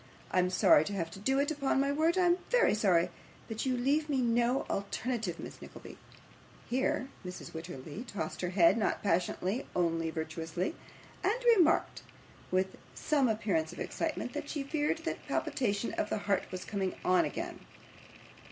I am sorry to have to do it, upon my word I am very sorry, but you leave me no alternative, Miss Nickleby.' Here Mrs. Wititterly tossed her head not passionately, only virtuously and remarked, with some appearance of excitement, that she feared that palpitation of the heart was coming on again.